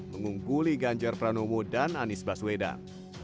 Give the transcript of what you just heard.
mengungguli ganjar pranowo dan anies baswedan